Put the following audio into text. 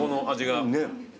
ねっ！